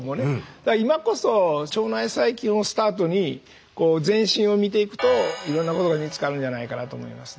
だから今こそ腸内細菌をスタートに全身を見ていくといろんなことが見つかるんじゃないかなと思いますね。